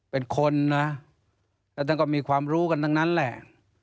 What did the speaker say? เป็นคนนะแล้วท่านก็มีความรู้กันทั้งนั้นแหละ